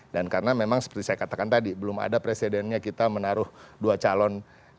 dan karena memang seperti saya katakan tadi belum ada presidennya kita menaruh dua calon